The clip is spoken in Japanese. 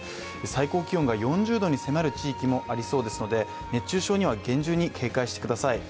最高気温が４０度に迫る地域もありそうですので熱中症には厳重に警戒してください。